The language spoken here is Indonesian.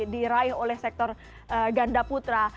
diraih oleh sektor gandaputra